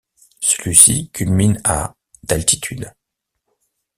Celui-ci culmine à d'altitude.